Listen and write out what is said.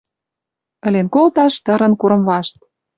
Ӹлен колташ тырын курым вашт.